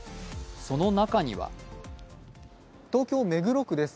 その中には東京・目黒区です。